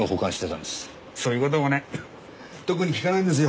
そういう事もね特に聞かないんですよ。